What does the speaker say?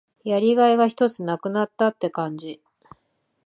やりがいがひとつ無くなったって感じ。